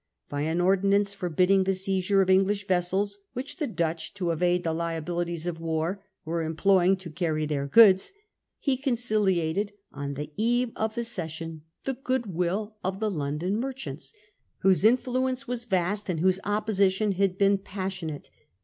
By an ordinance forbidding the seizure of English vessels, which the Dutch, to evade the liabilities of war, were employing to carry their goods, Louis he conciliated, on the eve of the session, the conciliates good will of the London merchants, whose merchants influence was vast and whose opposition had been passionate.